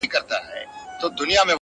بیگا مي خوب لیده مسجد را نړومه ځمه,